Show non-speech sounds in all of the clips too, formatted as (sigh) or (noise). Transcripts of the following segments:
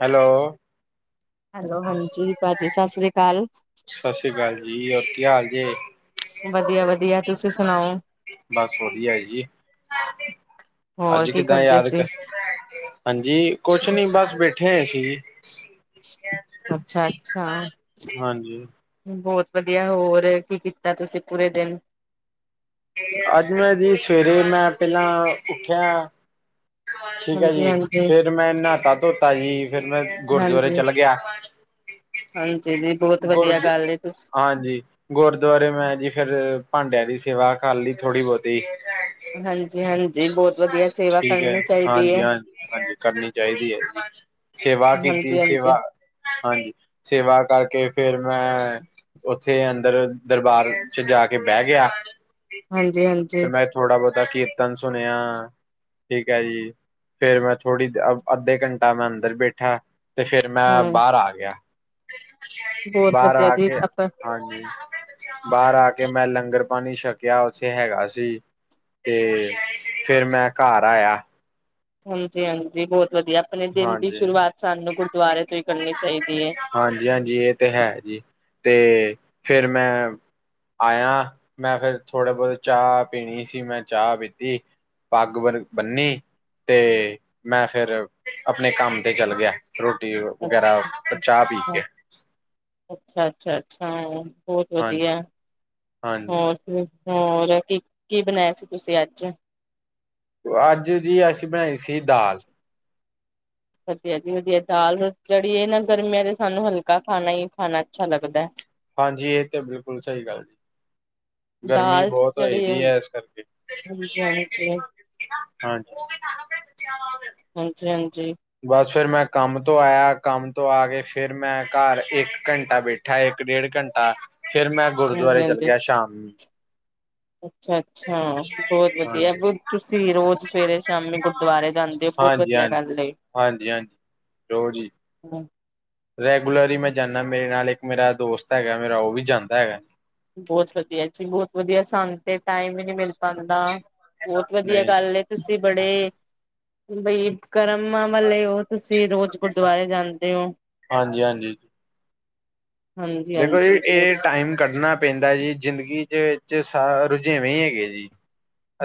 Hello. Hello ਹਾਂਜੀ, ਭੈਜੀ ਸਸਰੀ ਕਾਲ। ਸਛੀ ਕਾਲ ਜੀ ਹੋਰ ਕੀ ਹਾਲ ਜੇ? ਵਧੀਆ- ਵਧੀਆ ਤੁਸੀਂ ਸੁਣਾਓ? ਬਸ ਵਧੀਆ ਜੀ ਹੋਰ ਅੱਜ ਕੀ ਕਿੱਦਾਂ ਕਰਦੇ ਯਾਦਕ ਸੀ ਹਾਂਜੀ, ਕੁਛ ਨੀ ਬਸ ਬੈਠੇ ਹਾਂ ਅਸੀਂ ਜੀ। ਅੱਛਾ -ਅੱਛਾ। ਹਾਂਜੀ, ਬੋਤ ਵਧੀਆ ਹੋਰ, ਕੀ ਕੀਤਾ ਤੁਸੀ ਪੂਰੇ ਦਿਨ? ਅੱਜ ਮੈਂ ਜੀ ਸਵੇਰੇ ਮੈਂ ਪੈਲਾਂ ਉੱਠਿਆ ਠੀਕ ਆ ਹਾਂਜੀ ਜੀ ਹਾਂਜੀ ਫੇਰ ਮੈਂ ਨਹਾਤਾ ਧੋਤਾ ਜੀ, ਫੇਰ ਮੈਂ ਗੁਰਦੁਆਰੇ ਹਾਂਜੀ ਚਲਾ ਗੇਆ। ਹਾਂਜੀ ਜੀ ਬਹੁਤ (unintelligible) ਗੁਰ (unintelligible) ਵਧੀਆ ਗੱਲ ਏ ਤੁਸੀਂ ਹਾਂਜੀ। ਗੁਰਦੁਆਰੇ ਮੈਂ ਜੀ ਫਿਰ ਭਾਂਡਿਆਂ ਦੀ ਸੇਵਾ ਕਰ ਲਈ ਥੋੜੀ ਬੌਤੀ। ਹਾਂਜੀ -ਹਾਂਜੀ ਬੋ ਠੀਕ ਆ ਜੀ ਹਾਂਜੀ -ਹਾਂਜੀ -ਹਾਂਜੀ ਕਰਨੀ ਚਾਹੀਦੀ ਏ। ਸੇਵਾ ਕੀਤੀ ਹਾਂਜੀ ਹਾਂਜੀ ਸੇਵਾ ਹਾਂਜੀ, ਸੇਵਾ ਕਰਕੇ ਫੇਰ ਮੈਂ ਉੱਥੇ ਅੰਦਰ ਦਰਬਾਰ ਚ ਜਾ ਕੇ ਬੈ ਗਿਆ। ਹਾਂਜੀ ਫਿਰ -ਹਾਂਜੀ। ਮੈਂ ਥੋੜਾ ਬੋਤਾ ਕੀਰਤਨ ਸੁਣਿਆ ਠੀਕ ਆ ਜੀ, ਫੇਰ ਮੈਂ ਥੋੜੀ ਕ ਅੱਧੇ ਘੰਟਾ ਮੈਂ ਅੰਦਰ ਬੈਠਾ। ਤੇ ਫਿਰ ਮੈਂ ਹਮ ਬਾਰ ਆ ਗਿਆ। ਬਹੁਤ ਬਾਰ ਵਧੀਆ ਆ ਜੀ ਕੇ, ਆਪਾਂ ਹਾਂਜੀ- ਬਾਰ ਆ ਕੇ ਮੈਂ ਲੰਗਰ ਪਾਣੀ ਛਕਿਆ ਉੱਥੇ ਹੈਗਾ ਸੀ। ਤੇ ਫੇਰ ਮੈਂ ਘਰ ਆਇਆ। ਹਾਂਜੀ -ਹਾਂਜੀ ਬੋਤ ਵਧੀਆ ਆਪਣੇ ਦਿਨ ਦੀ ਹਾਂਜੀ ਸ਼ੁਰੂਆਤ ਸਾਨੂੰ ਗੁਰਦੁਆਰੇ ਤੋ ਈ ਕਰਨੀ ਚਾਹੀਦੀ ਏ। ਹਾਂਜੀ -ਹਾਂਜੀ ਏ ਤੇ ਹੈ ਜੀ, ਤੇ ਫਿਰ ਮੈਂ ਆਇਆ, ਮੈਂ ਫਿਰ ਥੋੜੇ ਬੌਤੇ ਚਾਅ ਪੀਣੀ ਸੀ ਮੈਂ ਚਾਹ ਪੀਤੀ। ਪੱਗ ਬ ਬੰਨੀ ਤੇ ਮੈਂ ਫਿਰ ਆਪਣੇ ਕੰਮ ਤੇ ਚਲ ਗਿਆ ਰੋਟੀ, ਵਗੈਰਾ ਅੱਛਾ ਤੇ ਚਾਅ ਪੀ ਅੱਛਾ ਕੇ। ਅੱਛਾ ਛਾ -ਛਾ ਬੋਤ ਹਾਂਜੀ ਵਧੀਆ, ਹਾਂਜੀ ਹੋਰ। ਹੋਰ ਕੀ ਕੀ ਬਣਿਆ ਸੀ ਤੁਸੀਂ ਅੱਜ? ਅੱਜ ਜੀ ਅਸੀਂ ਬਣਾਈ ਸੀ ਦਾਲ। ਵਧੀਆ ਜੀ ਵਧੀਆ ਦਾਲ ਜਹੜੀ ਏ ਨਾ ਗਰਮੀਆਂ ਦੇ ਸਾਨੂੰ ਹਲਕਾ ਖਾਣਾ ਹੀ ਖਾਣਾ ਅੱਛਾ ਲੱਗਦਾ। ਹਾਂਜੀ ਏ ਤੇ ਬਿਲਕੁਲ ਸ ਗਰਮੀ ਦਾਲ ਬੋਤ ਹੋ ਜਿਹੜੀ ਰਹੀ ਹੈ ਇਸ ਕਰਕੇ ਹਾਂਜੀ ਹਾਂਜੀ ਹਾਂਜੀ ਹਾਂਜੀ (unintelligible) ਹਾਂਜੀ -ਹਾਂਜੀ। ਬਸ ਫਿਰ ਮੈਂ ਕੰਮ ਤੋਂ ਆਇਆ ਕੰਮ ਤੋਂ ਆ ਕੇ ਫਿਰ ਮੈਂ ਘਰ ਇੱਕ ਘੰਟਾ ਬੈ ਠਾ ਇੱਕ- ਡੇਢ ਘੰਟਾ, ਫਿਰ ਮੈਂ ਗੁਰਦੁਆਰੇ ਚੱਲ ਹਾਂਜੀ ਗਿਆ ਸ਼ਾਮ ਨ ਅੱਛਾ -ਅੱਛਾ। ਬਹੁਤ ਵਧੀਆ ਹਾਂਜੀ, ਬੋ ਤੁਸੀਂ ਰੋਜ਼ ਸਵੇਰੇ ਸ਼ਾਮੀ ਗੁਰਦੁਆਰੇ ਜਾਂਦੇ ਓ ਬਹੁਤ ਵਧੀਆ ਗੱਲ ਏ। ਹਾਂਜੀ -ਹਾਂਜੀ ਰੋ ਜੀ। (unintelligible) ਰੈਗੂਲਰਲ ਮੈਂ ਜਾਂਦਾ ਮੇਰੇ ਨਾਲ ਇੱਕ ਮੇਰਾ ਦੋਸਤ ਹੈਗਾ ਮੇਰਾ। ਓ ਵੀ ਜਾਂਦਾ ਹੈਗਾ। ਬਹੁਤ ਵਧੀਆ ਜੀ, ਬਹੁਤ ਵਧੀਆ ਸ਼ਾਨ। ਤੇ ਟਾਈਮ ਵੀ ਨਹੀਂ ਮਿਲ ਪਾਉਂਦਾ। ਬਹੁਤ ਵਧੀਆ ਗੱਲ ਏ ਤੁਸੀਂ ਬੜੇ। ਬਈ। ਕਰਮਾਂ ਵਾਲੇ ਉਹ ਤੁਸੀਂ ਰੋਜ਼ ਗੁਰਦੁਆਰੇ ਜਾਂਦੇ ਹੋ। ਹਾਂਜੀ-ਹਾਂਜੀ। ਹਾਂਜੀ ਦੇਖੋ ਜੀ, ਹਾਂਜੀ ਇਹ ਟਾਈਮ ਕੱਢਣਾ ਪੈਂਦਾ ਜੀ। ਜ਼ਿੰਦਗੀ 'ਚ ਵਿੱਚ ਸ ਰੁਝੇਵੇਂ ਹੈਗੇ ਜੀ।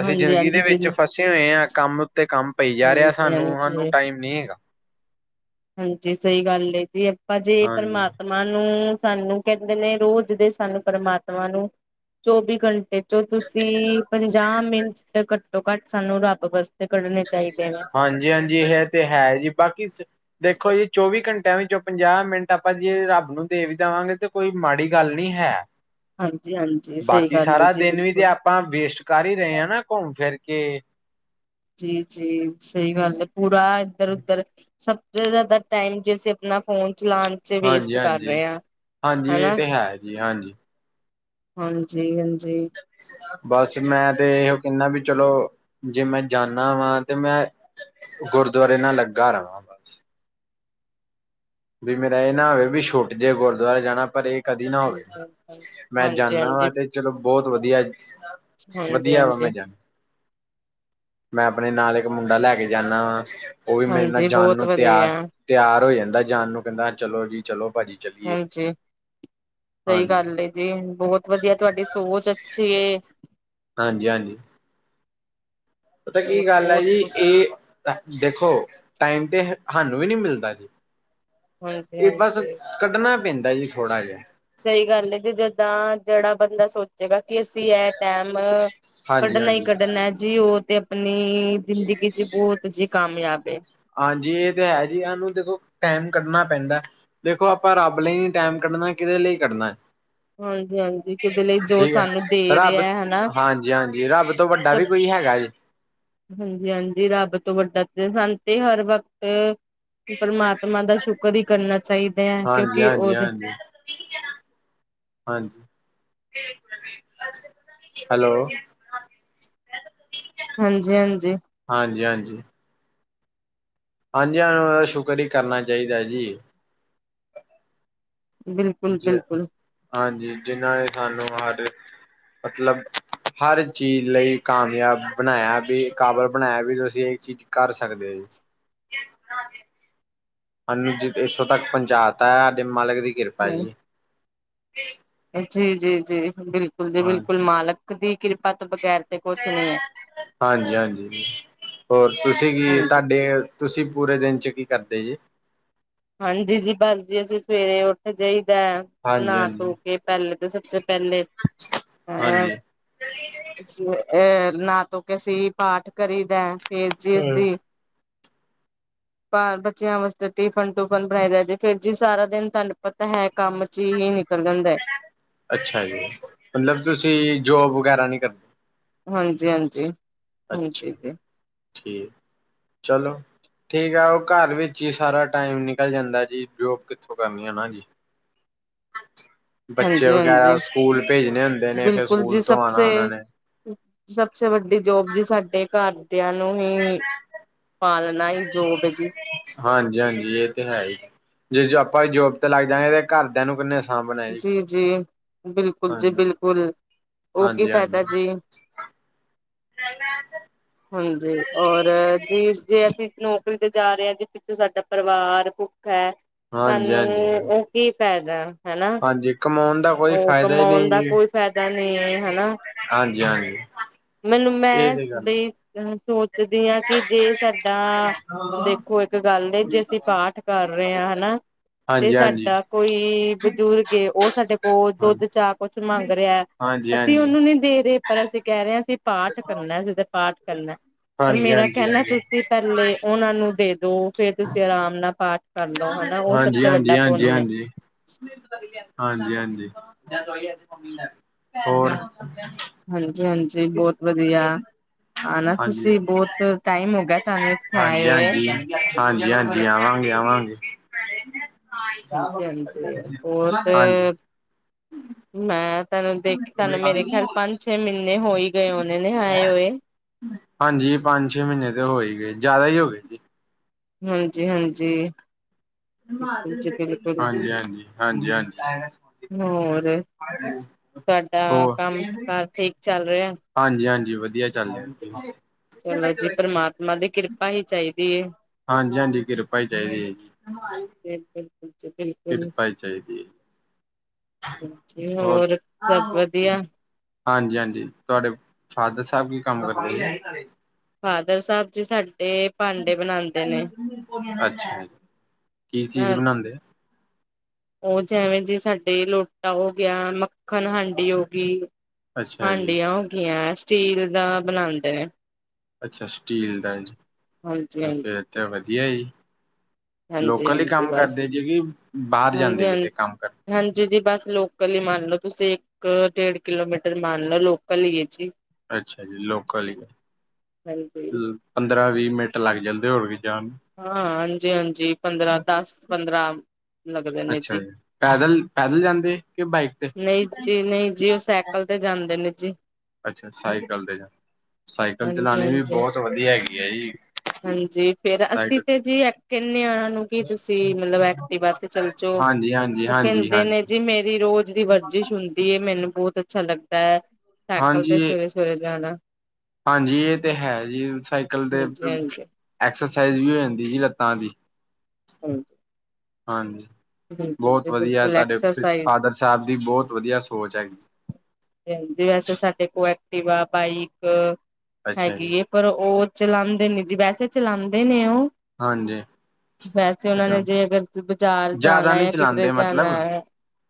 ਅਸੀਂ ਜ਼ਿੰਦਗੀ ਹਾਂਜੀ ਦੇ ਜੀ ਵਿੱਚ ਫਸੇ ਹੋਏ ਹਾਂ, ਕੰਮ ਉੱਤੇ ਕੰਮ ਪਈ ਜਾ ਰਿਹਾ ਹਾਂਜੀ ਸਾਨੂੰ, ਹਾਂਜੀ ਸਾਨੂੰ ਟਾਈਮ ਨਹੀਂ ਹੈਗਾ। ਹਾਂਜੀ ਸਹੀ ਗੱਲ ਹੈ ਜੀ। ਆਪਾਂ ਜੇ ਹਾਂਜੀ, ਪਰਮਾਤਮਾ ਨੂੰ (unintelligible) ਸਾਨੂੰ ਕਹਿੰਦੇ ਨੇ ਰੋਜ਼ ਦੇ ਸਾਨੂੰ ਪਰਮਾਤਮਾ ਨੂੰ ਚੌਵੀ ਘੰਟੇ ਜੋ ਤੁਸੀਂ ਪੰਜਾਹ ਮਿੰਟ ਘੱਟੋ -ਘੱਟ ਸਾਨੂੰ ਰੱਬ ਬਸ ਹਾਂਜੀ-ਹਾਂਜੀ ਇਹ ਤੇ ਹੈ ਜੀ, ਬਾਕੀ ਦੇਖੋ ਜੀ, ਚੌਵੀ ਘੰਟਿਆਂ ਵਿਚ ਪੰਜਾਹ ਮਿੰਟ ਆਪਾਂ ਜੇ ਰੱਬ ਨੂੰ ਦੇ ਵੀ ਦੇਵਾਂਗੇ ਤਾਂ ਕੋਈ ਮਾੜੀ ਗੱਲ ਨਹੀਂ ਹੈ। ਹਾਂਜੀ-ਹਾਂਜੀ ਸਹੀ ਬਾਕੀ ਗੱਲ ਹੈ ਸਾਰਾ ਜੀ ਦਿਨ ਵੀ ਤੇ ਬਿਲਕੁਲ। ਆਪਾਂ ਵੇਸਟ ਕਰ ਹੀ ਰਹੇ ਹਾਂ ਨਾ ਘੁੰਮ ਫਿਰ ਕੇ ਜੀ-ਜੀ ਸਹੀ ਗੱਲ ਹੈ, ਪੂਰਾ ਇੱਧਰ- ਉੱਧਰ ਸਭ ਤੋਂ ਜ਼ਿਆਦਾ ਟਾਈਮ ਜੇ ਅਸੀਂ ਆਪਣਾ ਫੋਨ ਚਲਾਣ 'ਚ ਹਾਂਜੀ ਵੇਸਟ ਕਰ ਹਾਂਜੀ ਰਹੇ ਆ। ਹਾਂਜੀ ਇਹ ਹਨਾ? ਤੇ ਹੈ ਜੀ ਹਾਂਜੀ ਹਾਂਜੀ-ਹਾਂਜੀ। ਬਸ ਮੈਂ ਤੇ ਇਹੋ ਕਹਿੰਦਾ ਵੀ ਚਲੋ ਜੇ ਮੈਂ ਜਾਂਦਾ ਵਾ ਤੇ ਮੈਂ ਗੁਰਦੁਆਰੇ ਨਾਲ ਲੱਗਾ ਰਵਾਂ। ਬਸ ਵੀ ਮੇਰਾ ਇਹ ਨਾ ਹੋਵੇ ਵੀ ਛੁੱਟ ਜੇ ਗੁਰਦੁਆਰੇ ਜਾਣਾ ਪਰ ਇਹ ਕਦੀ ਨਾ ਹੋਵੇ। ਹਾਂਜੀ-ਹਾਂਜੀ, ਮੈਂ ਜਾਂਦਾ ਹਾਂਜੀ-ਹਾਂਜੀ, ਵਾਂ ਤੇ ਚਲੋ ਬਹੁਤ ਵਧੀਆ ਹਾਂਜੀ ਹਾਂਜੀ ਵਧੀਆ ਵਾ ਹਾਂਜੀ ਮੈਂ ਜਾ ਮੈਂ ਆਪਣੇ ਨਾਲ ਇੱਕ ਮੁੰਡਾ ਲੈ ਕੇ ਜਾਂਨਾ ਵਾਂ, ਉਹ ਵੀ ਮੇਰੇ ਨਾਲ ਹਾਂਜੀ ਜਾਣ ਬਹੁਤ ਨੂੰ ਵਧੀਆ। ਤਿਆਰ ਤਿਆਰ ਹੋ ਜਾਂਦਾ ਜਾਣ ਨੂੰ, ਕਹਿੰਦਾ, ਚਲੋ ਜੀ ਚਲੋ ਭਾਜੀ। ਚਲੀਏ ਹਾਂਜੀ। ਸਹੀ ਹਾਂਜੀ ਗੱਲ ਏ ਜੀ। ਬਹੁਤ ਵਧੀਆ ਤੁਹਾਡੀ ਸੋਚ ਅੱਛੀ ਏ। ਹਾਂਜੀ-ਹਾਂਜੀ। ਪਤਾ ਕੀ ਗੱਲ ਹੈ ਜੀ ਬਹੁਤ-ਬਹੁਤ ਇਹ ਦੇਖੋ, ਟਾਈਮ ਤੇ ਹਾਨੂੰ ਵੀ ਨਈ ਮਿਲਦਾ ਜੀ, ਇਹ ਬਸ ਹਾਂਜੀ-ਹਾਂਜੀ। ਕੱਢਣਾ ਪੈਂਦਾ ਜੀ, ਥੋੜਾ ਜਿਹਾ। ਸਹੀ ਗੱਲ ਹੈ ਜੀ, ਜਿੱਦਾਂ ਜਿਹੜਾ ਬੰਦਾ ਸੋਚ ਜਗਾ ਕਿ ਅਸੀਂ ਇਹ ਟਾਈਮ ਕੱਢਣਾ ਹੀ ਹਾਂਜੀ-ਹਾਂਜੀ ਹਾਂਜੀ ਕੱਢਣਾ, ਜੀ ਉਹ ਤੇ ਆਪਣੀ ਜ਼ਿੰਦਗੀ 'ਚ ਬੋਤ ਹਜੇ ਕਾਮਯਾਬ ਏ। ਹਾਂਜੀ ਏ ਤੇ ਹੈ ਜੀ, ਹਾ ਨੂੰ ਦੇਖੋ ਟੈਮ ਕੱਢਨਾ ਪੈਂਦੈ। ਦੇਖੋ ਆਪਾ ਰੱਬ ਲਈ ਟੈਮ ਕੱਢਨਾ ਏ, ਕਿਦੇ ਲਈ ਕੱਢਨੈ ਹਾਂਜੀ, ਹਾਂਜੀ ਕਿਦੇ ਲਈ, ਜੋ ਸਾਨੂੰ ਦੇ ਰੇਐ, ਹਨਾ? ਜੀ ਹਾਂਜੀ, ਰੱਬ ਤੋਂ ਵੱਡਾ ਵੀ ਕੋਈ ਹੈਗਾ ਜੇ? ਹਾਂਜੀ, ਹਾਂਜੀ ਰੱਬ ਤੋ ਵੱਡਾ ਤੇ ਸਾਨੂੰ ਤੇ ਹਰ ਵਕਤ - ਪਰਮਾਤਮਾ ਦਾ ਸ਼ੁਕਰ ਈ ਕਰਨਾ ਚਾਹੀਦੈ ਕਿਓਕਿ ਹਾਂਜੀ-ਹਾਂਜੀ-ਹਾਂਜੀ ਓਦੇ (unintelligible) ਹਾਂਜੀ, ਹੈਲੋ। (unintelligible) ਹਾਂਜੀ, ਹਾਂਜੀ। ਹਾਂਜੀ, ਹਾਂਜੀ। ਹਾਂਜੀ ਹਾਂ, ਸ਼ੁਕਰ ਈ ਕਰਨਾ ਚਾਹੀਦਾ ਜੀ। ਜ ਬਿਲਕੁਲ-ਬਿਲਕੁਲ। ਹਾਂਜੀ। ਜਿਨਾਂ ਨੇ ਸਾਨੂੰ ਹਰ ਮਤਲਬ ਹਰ ਚੀਜ਼ ਲਈ ਕਾਮਯਾਬ ਬਣਾਇਆ ਵੀ, ਕਾਬਲ ਬਣਾਇਆ ਵੀ ਤੁਸੀਂ ਇਹ ਚੀਜ਼ ਕਰ ਸਕਦੇ ਹੋ ਜੀ। (unintelligible) ਸਾਨੂੰ ਜੇ ਇੱਥੋਂ ਤੱਕ ਪਹੁੰਚਾਤਾ ਹੈ। ਸਾਡੇ ਮਾਲਕ ਦੀ ਕਿਰਪਾ ਹੈ ਨਹੀਂ ਜੀ। ਜੀ, ਜੀ, ਜੀ ਬਿਲਕੁਲ ਜੀ ਹਾਂ ਬਿਲਕੁਲ, ਮਾਲਕ ਦੀ ਕਿਰਪਾ ਤੋਂ ਬਗੈਰ ਤੇ ਕੁਛ ਨਹੀਂ ਹੈ ਹਾਂਜੀ-ਹਾਂਜੀ, ਹੋਰ ਤੁਸੀਂ ਕੀ ਹਾਂਜੀ ਤੁਹਾਡੇ ਤੁਸੀਂ ਪੂਰੇ ਦਿਨ 'ਚ ਕੀ ਕਰਦੇ ਜੇ? ਹਾਂਜੀ ਜੀ, ਬਸ ਜੀ ਅਸੀਂ ਸਵੇਰੇ ਉੱਠ ਜਾਈਦਾ। ਨਾ ਹਾਂਜੀ-ਹਾਂਜੀ, ਧੋਕੇ ਪਹਿਲੇ ਤਾਂ ਸਭ ਤੋਂ ਪਹਿਲੇ ਹਾਂ ਹਾਂਜੀ ਅਹ ਨਹਾ ਧੋਕੇ ਅਸੀਂ ਪਾਠ ਕਰੀ ਦਾ ਫੇਰ ਜੀ ਹਾਂਜੀ ਅਸੀਂ ਪਰ ਬੱਚਿਆਂ ਵਾਸਤੇ ਟਿਫਨ ਟੂਫਨ ਬਣਾਈ ਦਾ ਜੇ ਫਿਰ ਜੀ ਸਾਰਾ ਦਿਨ ਤਹਾਨੂੰ ਪਤਾ ਹੈ ਕੰਮ ਜੀ ਹੀ ਨਿਕਲ ਜਾਂਦਾ ਐ। ਅੱਛਾ ਜੀ, ਮਤਲਬ ਤੁਸੀ ਜੋਬ ਵਗੈਰਾ ਨੀ ਕਰਦੇ। ਹਾਂਜੀ-ਹਾਂਜੀ। ਅੱਛਾ, ਠੀਕ ਐ, ਚਲੋ ਠੀਕ ਆ, ਓ ਘਰ ਵੀ ਚ ਸਾਰਾ ਟਾਈਮ ਨਿਕਲ ਜਾਂਦਾਂ ਜੀ, ਜੋਬ ਕਿੱਥੋਂ ਕਰਨੀ ਆ ਨਾ ਜੀ। ਬੱਚੇ ਹਾਂਜੀ-ਹਾਂਜੀ, ਵਗੈਰਾ ਸਕੂਲ ਭੇਜਨੇ ਹੁੰਦੇ ਨੇ, ਫੇਰ ਸਕੂਲ ਤੋ ਆਨਾ ਓਨਾਂ ਨੇ। ਸਬਸੇ ਵੱਡੀ ਜੋਬ ਜੀ ਸਾਡੇ ਘਰ ਬੱਚੇਆ ਨੂੰ ਹੀ ਪਾਲਨਾ ਈ ਜੋਬ ਏ ਜੀ। ਹਾਂਜੀ, ਹਾਂਜੀ ਏ ਤੇ ਹੈਈ, ਜੇ ਆਪਾ ਜੋਬ ਤੇ ਲੱਗ ਜਾਂਗੇ ਤੇ ਘਰਦਿਆ ਨੂੰ ਕਿੰਨੇ ਸਾਂਭਣਾ ਹੈ ਜੀ, ਜੀ, ਬਿਲਕੁਲ ਜੀ ਹਾਂਜੀ। ਬਿਲਕੁਲ ਓ ਕੀ ਹਾਂਜੀ ਹਾਂਜੀ ਫੈਦਾ ਜੀ। ਹਾਂਜੀ ਔਰ (unintelligible) ਜੀ ਜੇ ਅਸੀ ਨੌਕਰੀ ਤੇ ਜਾ ਰੇ ਆਂ ਜੇ ਪਿੱਛੋਂ ਸਾਡਾ ਪਰਿਵਾਰ ਭੁੱਖਾ ਐ ਹਾਂਜੀ ਸਾਨੂੰ ਹਾਂਜੀ। ਓ ਕੀ ਫੈਦਾ ਐ ਹੈਨਾ। ਹਾਂਜੀ, ਕਮੋਨ ਓ ਕਮੋਨ ਦਾ ਕੋਈ ਫੈਦਾ ਨੀ ਏ, ਹਨਾ। ਹਾਂਜੀ ਹਾਂਜੀ। ਮੈਨੂੰ ਇਹ ਮੈਂ ਤੇ ਗੱਲ ਹੈ ਬਈ ਹੁਨ ਸੋਚਦੀ ਆਂ ਕਿ ਜੇ ਸਾਡਾ ਦੇਖੋ ਏਕ ਗੱਲ ਏ ਜੇ ਅਸੀ ਪਾਠ ਕਰ ਰੇਆ, ਹਨਾ ਤੇ ਹਾਂਜੀ ਹਾਂਜੀ ਸਾਡਾ ਕੋਈ ਬਜ਼ੁਰਗ ਏ, ਓ ਸਾਡੇ ਓ ਹਾਂ ਦੋਧ, ਚਾ ਕੋਛ ਮੰਗ ਰੇਆ, ਹਾਂਜੀ ਅਸੀ ਹਾਂਜੀ। ਓਨੂੰ ਨੀ ਦੇ ਰੇ ਪਰ ਅਸੀ ਕੈ ਰੇਆਂ ਅਸੀ ਪਾਠ ਕਰਨਾ, ਅਸੀ ਤੇ ਪਾਠ ਕਰਨਾ ਪਰ ਹਾਂਜੀ ਮੇਰਾ ਹਾਂਜੀ ਕਹਨਾ ਤੁਸੀ ਪੈਲੇ ਉਨਾਂ ਨੂੰ ਦੇ ਹਾਂਜੀ ਦੋ, ਫੇਰ ਤੁਸੀ ਆਰਾਮ ਨਾਲ ਪਾਠ ਕਰ ਲਓ ਹਨਾ ਉਹ ਸਭ ਹਾਂਜੀ, ਹਾਂਜੀ, ਤੋਂ ਵੱਡਾ ਹਾਂਜੀ, ਪੁੰਨ ਏ। ਹਾਂਜੀ। ਹਾਂਜੀ-ਹਾਂਜੀ, ਹੋਰ (unintelligible) ਜੀ ਬੋਤ ਵਦੀਆ, ਆਨਾ ਹਾਂਜੀ ਤੁਸੀ ਬੋਤ ਟਾਈਮ ਹੋ ਗਿਆ ਤਾਨੂੰ ਏੱਥੇ ਆਏ ਹਾਂਜੀ ਹੋਏ। ਹਾਂਜੀ ਹਾਂਜੀ, ਹਾਂਜੀ, ਆਵਾਂਗੇ, ਆਵਾਂਗੇ। ਹਾਂਜੀ ਹਾਂਜੀ ਬਹੁਤ ਹਾਂਜੀ। ਮੈਂ ਤੈਨੂੰ ਦੇਖਿਆਂ ਮੇਰੇ ਖਿਆਲ ਪੰਜ ਛੇ ਮਹੀਨੇ ਹੋ ਹੀ ਗਏ ਹੋਨੇ ਨੇ ਆਏ ਹੋਏ। ਹਾਂਜੀ ਪੰਜ-ਛੇ ਮਹੀਨੇ ਤੇ ਹੋ ਹੀ ਗਏ, ਜਾਦਾ ਹੀ ਹੋ ਗਏ ਜੀ। ਹਾਂਜੀ-ਹਾਂਜੀ। ਹਾਂਜੀ, ਹਾਂਜੀ, ਹਾਂਜੀ, ਹਾਂਜੀ। ਹੋਰ ਤੁਹਾਡਾ ਕੰਮ ਕਾਰ ਠੀਕ ਚੱਲ ਰਿਹਾ? ਹਾਂਜੀ-ਹਾਂਜੀ, ਵਧੀਆ ਚੱਲ ਰੇਆ। ਚਲੋ ਜੀ ਪਰਮਾਤਮਾ ਦੀ ਕਿਰਪਾ ਹੀ ਚਾਈਦੀ ਏ। ਹਾਂਜੀ-ਹਾਂਜੀ, ਕਿਰਪਾ ਹੀ ਚਾਈਦੀ ਏ ਜੀ। ਬਿਲਕੁਲ ਜੀ ਬਿਲਕੁਲ। ਕਿਰਪਾ ਹੀ ਚਾਹੀਦੀ ਹੈ ਹੋਰ ਸਭ ਵਧੀਆ? ਹਾਂਜੀ-ਹਾਂਜੀ, ਤੁਵਾਡੇ ਫਾਦਰ ਸਾਬ ਕੀ ਕੰਮ ਕਰਦੇ ਨੇ? ਫਾਦਰ ਸਾਬ ਜੀ ਸਾਡੇ ਭਾਂਡੇ ਬਣਾਉਂਦੇ ਨੇ ਅੱਛਾ ਜੀ, ਕੀ ਚੀਜ਼ ਬਨਾਂਦੇ ਐ? ਓ ਜੈਵੇਂ ਜੇ ਸਾਡੇ ਲੋਟਾ ਹੋ ਗਿਆ, ਮੱਖਣ-ਹਾਂਡੀ ਹੋ ਗੀ। ਅੱਛਾ ਜੀ ਹਾਂਡੀਆਂ ਹੋਗੀਆਂ, ਸਟੀਲ ਦਾ ਬਨਾਂਦੇ ਨੇ। ਅੱਛਾ ਸਟੀਲ ਦਾ, ਹਾਂਜੀ ਹਾਂਜੀ ਫੇਰ ਤੇ ਵਦਿਆ ਜੀ। ਹਾਂਜੀ ਲੋਕਲ ਈ ਹਾਂਜੀ ਕੰਮ ਬਸ ਕਰਦੇ ਜੀ ਕਿ, ਬਾਹਰ ਹਾਂਜੀ ਜਾਂਦੇ ਹਾਂਜੀ ਕਿਤੇ ਕੰਮ ਕਰਨ ਹਾਂਜੀ ਜੀ, ਬੱਸ ਲੋਕਲ ਈ ਮੰਨ ਲੋ ਤੁਸੀ। ਇੱਕ ਡੇੜ ਕਿਲੋਮੀਟਰ ਮੰਨ ਲੋ, ਲੋਕਲ ਈ ਏ ਜੀ। ਅੱਛਾ ਜੀ, ਲੋਕਲ ਈ ਏ, ਹਾਂਜੀ ਲ ਪੰਦਰਾਂ-ਵੀ ਮਿੰਟ ਲੱਗ ਜਾਂਦੇ ਹੋਰ ਵੀ ਜਾਨ ਹਾਂ, ਹਾਂਜੀ-ਹਾਂਜੀ, ਪੰਦਰਾਂ, ਦੱਸ, ਪੰਦਰਾਂ ਲੱਗਦੇ ਨੇ ਅੱਛਾ ਜੀ, ਪੈਦਲ ਪੈਦਲ ਜਾਂਦੇ, ਕਿ ਬਾਈਕ ਤੇ ਨਹੀਂ ਜੀ ਨਹੀਂ ਜੀ, ਉਹ ਸਾਈਕਲ ਤੇ ਜਾਂਦੇ ਨੇ ਜੀ ਅੱਛਾ, ਸਾਈਕਲ ਤੇ, ਸਾਈਕਲ ਹਾਂਜੀ ਚਲਾਣੀ ਵੀ ਹਾਂਜੀ। ਬਹੁਤ ਵਧੀਆ ਹੈਗੀ ਐ ਜੀ ਹਾਂਜੀ ਫੇਰ ਅਸੀ ਅਸੀਂ ਸਾਈਕਲ ਤੇ ਜੀ ਕਹਿੰਦੇ ਹਾਂ ਉਹਨਾਂ ਨੂੰ ਕਿ ਤੁਸੀਂ ਮਤਲਬ ਐਕਟਿਵਾ ਤੇ ਚੱਲੇ ਜਾਓ, ਹਾਂਜੀ ਹਾਂਜੀ ਉਹ ਹਾਂਜੀ ਕਹਿੰਦੇ ਹਾਂਜੀ ਨੇ ਜੀ ਮੇਰੀ ਰੋਜ਼ ਦੀ ਵਰਜਿਸ਼ ਹੋਈ ਦੀ ਏ ਮੈਨੂੰ ਬਹੁਤ ਅੱਛਾ ਲੱਗਦਾ ਹੈ, ਸਾਈਕਲ ਤੇ ਹਾਂਜੀ ਸਵੇਰੇ ਸਵੇਰੇ ਜਾਣਾ ਹਾਂਜੀ ਇਹ ਤੇ ਹੈ ਜੀ, ਸਾਈਕਲ ਤੇ ਹਾਂਜੀ ਹਾਂਜੀ ਐਕਸਰਸਾਈਜ਼ ਵੀ ਹੋ ਜਾਂਦੀ ਜੀ ਲੱਤਾਂ ਦੀ ਹਾਂਜੀ ਹਾਂਜੀ ਬਿਲਕੁਲ ਬਹੁਤ ਜੀ ਵਧੀਆ ਬਿਲਕੁਲ ਤੁਹਾਡੇ ਫ ਐਕਸਰਸਾਈਜ਼ ਫਾਦਰ ਸਾਹਿਬ ਦੀ, ਬਹੁਤ ਵਧੀਆ ਸੋਚ ਹੈਗੀ ਵੈਸੇ ਸਾਡੇ ਕੋਲ ਐਕਟਿਵਾ ਬਾਈਕ ਅੱਛਾ ਜੀ ਹੈਗੀ ਹੈ ਪਰ ਉਹ ਚਲਾਉਂਦੇ ਨੇ ਜੀ, ਵੈਸੇ ਚਲਾਉਂਦੇ ਨੇ ਉਹ ਹਾਂਜੀ ਵੈਸੇ ਉਹਨਾਂ ਨੇ ਅੱਛਾ ਜੇ ਅਗਰ ਬਾਜ਼ਾਰ ਜ਼ਿਆਦਾ ਜਾਣਾ, ਨਹੀਂ ਜਾਂ ਕਿਧਰੇ ਚਲਾਉਂਦੇ ਜਾਣਾ ਮਤਲਬ ਹੈ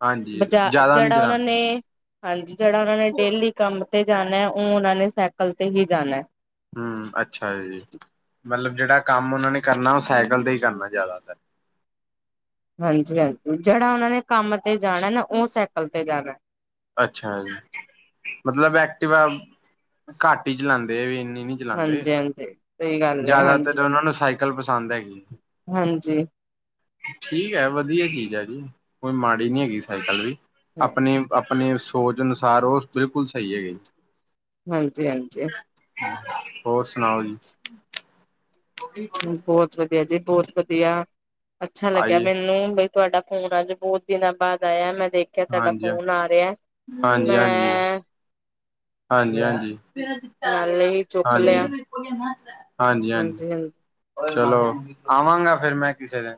ਹਾਂਜੀ ਬਜਾਰ, ਜ਼ਿਆਦਾ ਨਹੀਂ ਜਿਹੜਾ ਉਹਨਾਂ ਚਲਾਉਂਦੇ ਨੇ ਹਾਂਜੀ ਜਿਹੜਾ ਉਹਨਾਂ ਨੇ ਡੇਲੀ ਕੰਮ ਤੇ ਜਾਣਾ, ਉਹ ਉਹਨਾਂ ਨੇ ਸਾਈਕਲ ਤੇ ਹੀ ਜਾਣਾ ਹਮ ਅੱਛਾ ਏ ਜੀ, ਮਤਲਬ ਜਿਹੜਾ ਕੰਮ ਉਹਨਾਂ ਨੇ ਕਰਨਾ ਉਹ ਸਾਈਕਲ ਤੇ ਹੀ ਕਰਨਾ ਜ਼ਿਆਦਾਤਰ ਹਾਂਜੀ ਹਾਂਜੀ ਜਿਹੜਾ ਉਹਨਾਂ ਨੇ ਕੰਮ ਤੇ ਜਾਣਾ ਨਾ, ਉਹ ਸਾਈਕਲ ਤੇ ਜਾਣਾ ਅੱਛਾ ਜੀ, ਮਤਲਬ ਐਕਟਿਵਾ ਘੱਟ ਹੀ ਚਲਾਉਂਦੇ ਆ ਵੀ ਇੰਨੀ ਨੀ ਹਾਂਜੀ ਹਾਂਜੀ ਸਹੀ ਗੱਲ ਹੈ ਹਾਂਜੀ ਜ਼ਿਆਦਾਤਰ ਉਹਨਾਂ ਨੂੰ ਸਾਈਕਲ ਪਸੰਦ ਹੈਗੀ ਹਾਂਜੀ ਠੀਕ ਹੈ, ਵਧੀਆ ਚੀਜ਼ ਹੈ ਜੀ, ਕੋਈ ਮਾੜੀ ਨੀ ਹੈਗੀ ਸਾਈਕਲ ਵੀ, ਹਾਂਜੀ ਆਪਣੇ ਆਪਣੀ ਸੋਚ ਅਨੁਸਾਰ, ਉਹ ਬਿਲਕੁਲ ਸਹੀ ਹੈਗਾ ਜੀ ਹਾਂਜੀ ਹਾਂਜੀ ਹੋਰ ਸੁਣਾਓ ਜੀ ਬਹੁਤ ਵਧੀਆ ਜੀ, ਬਹੁਤ ਵਧੀਆ, ਅੱਛਾ ਲੱਗਿਆ ਆਈਏ ਮੈਨੂੰ, ਬ ਤੁਹਾਡਾ ਫੋਨ ਅੱਜ ਬਹੁਤ ਦਿਨਾਂ ਬਾਅਦ ਆਇਆ, ਮੈਂ ਦੇਖ ਕਿਆ ਤੁਹਾਡਾ ਹਾਂਜੀ ਫੋਨ ਆ ਰਿਹਾ, ਹਾਂਜੀ ਹਾਂਜੀ ਮੈਂ ਹਾਂਜੀ ਹਾਂਜੀ ਨਾਲੇ ਹੀ ਚੁੱਕ ਲਿਆ ਹਾਂਜੀ ਹਾਂਜੀ ਹਾਂਜੀ, ਚਲੋ ਆਵਾਂਗਾ ਫਿਰ ਮੈਂ ਕਿਸੇ ਦਿਨ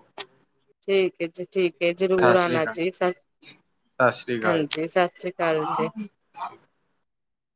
ਠੀਕ ਐ ਜੀ, ਠੀਕ ਜਰੂਰ ਸਤਿ ਸ੍ਰੀ ਆਉਣਾ ਅਕਾਲ ਜੀ ਸ, ਸਤਿ ਹਾਂਜੀ ਸਤਿ ਸ੍ਰੀ ਅਕਾਲ ਜੀ ਹਾਂ